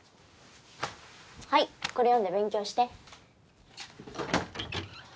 はいこれ読んで勉強して。